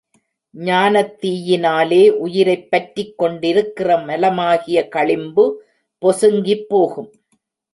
ஞானத்தீயினாலே உயிரைப் பற்றிக் கொண்டிருக்கிற மலமாகிய களிம்பு பொசுங்கிப் போகும்.